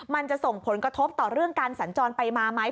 มันจะส่งผลกระทบต่อเรื่องการสัญจรไปมาไหม